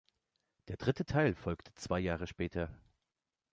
Der dritte Teil folgte zwei Jahre später.